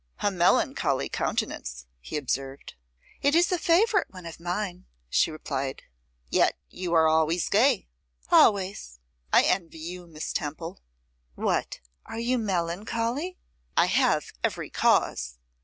'A melancholy countenance!' he observed. 'It is a favourite one of mine,' she replied. 'Yet you are always gay.' 'Always.' 'I envy you, Miss Temple.' 'What, are you melancholy?' 'I have every cause.